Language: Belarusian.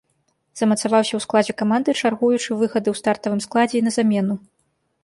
Замацаваўся ў складзе каманды, чаргуючы выхады ў стартавым складзе і на замену.